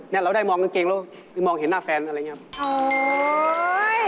แล้วเราได้มองกางเกงแล้วมองเห็นหน้าแฟนอะไรอย่างนี้